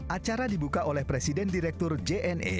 acara dibuka oleh presiden direktur jne